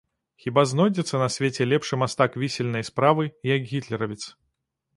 Хіба знойдзецца на свеце лепшы мастак вісельнай справы, як гітлеравец?